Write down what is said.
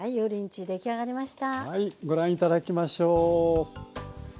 ご覧頂きましょう。